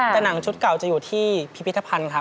แต่หนังชุดเก่าจะอยู่ที่พิพิธภัณฑ์ครับ